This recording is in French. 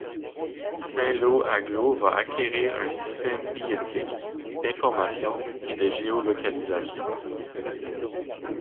Saint-Lô Agglo va acquérir un système billettique, d’information et de géo localisation.